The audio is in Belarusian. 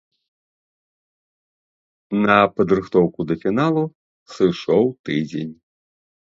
На падрыхтоўку да фіналу сышоў тыдзень.